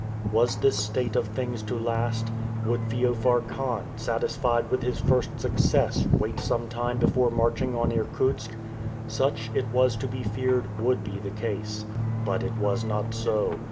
Was this state of things to last? Would Feofar Khan, satisfied with his first success, wait some time before marching on Irkutsk? Such, it was to be feared, would be the case. But it was not so.